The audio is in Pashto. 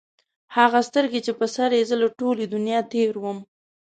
هغه سترګي چې په سر یې زه له ټولي دنیا تېر وم